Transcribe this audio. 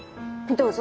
どうぞ。